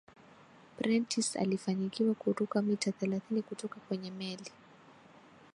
prentis alifanikiwa kuruka mita thelathini kutoka kwenye meli